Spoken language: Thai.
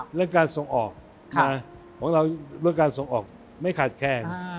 เรื่องการส่งออกของเราเรื่องการส่งออกไม่ขาดแคลน